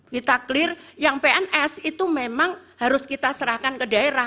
kita clear yang pns itu memang harus kita serahkan ke daerah